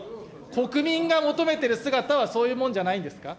国民が求めてる姿はそういうもんじゃないんですか。